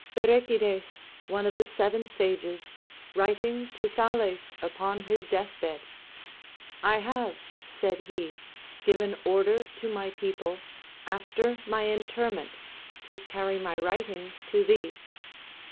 Pherecydes, one of the seven sages, writing to Thales upon his death bed; "I have," said he, "given order to my people, after my interment, to carry my writings to thee.